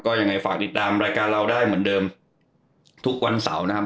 ยังไงฝากติดตามรายการเราได้เหมือนเดิมทุกวันเสาร์นะครับ